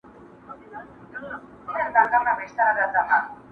نه د عقل پوهي ګټه را رسېږي؛